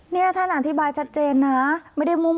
เนี่ยท่านอธิบายชัดเจนนะไม่ได้มั่วด้วยนะ